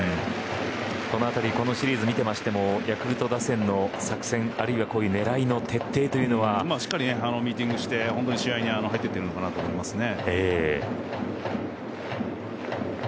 この辺りシリーズを見ていてもヤクルト打線の作戦、あるいは狙いの徹底というのは。しっかりミーティングして試合に入っているのかなと思いますね。